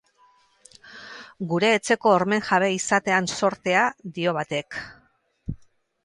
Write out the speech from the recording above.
Gure etxeko hormen jabe izatean zortea, dio batek.